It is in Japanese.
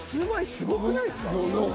すごくないですか？